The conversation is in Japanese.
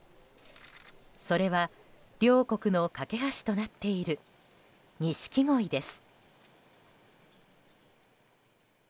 それは、両国の懸け橋となっているニシキゴイです。